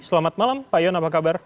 selamat malam pak yon apa kabar